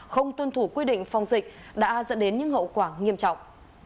không tuân thủ quy định phòng dịch đã dẫn đến những hậu quả nghiêm trọng